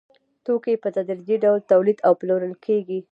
توکي په تدریجي ډول تولید او پلورل کېږي